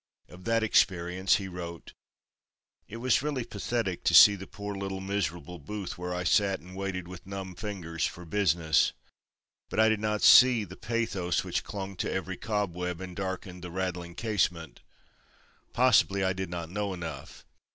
Of that experience he wrote: "It was really pathetic to see the poor little miserable booth where I sat and waited with numb fingers for business. But I did not see the pathos which clung to every cobweb and darkened the rattling casement. Possibly I did not know enough.